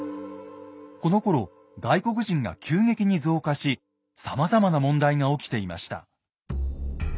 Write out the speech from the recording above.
このころ外国人が急激に増加しさまざまな問題が起きていました。